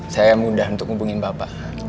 saya mudah untuk hubungin bapak